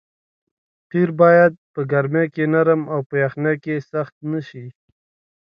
قیر باید په ګرمۍ کې نرم او په یخنۍ کې سخت نه شي